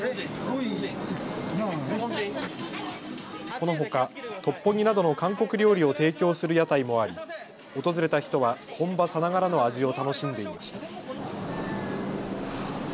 このほかトッポギなどの韓国料理を提供する屋台もあり訪れた人は本場さながらの味を楽しんでいました。